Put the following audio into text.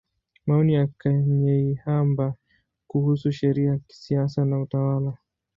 Maoni ya Kanyeihamba kuhusu Sheria, Siasa na Utawala.